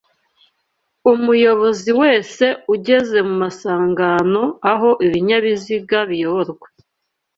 Umuyobozi wese ugeze mu masangano aho ibinyabiziga biyoborwa